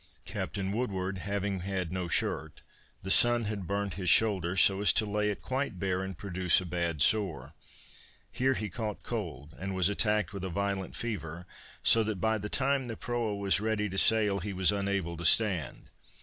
Captain Woodward having had no shirt, the sun had burnt his shoulder so as to lay it quite bare and produce a bad sore. Here he caught cold, and was attacked with a violent fever, so that by the time the proa was ready to sail he was unable to stand.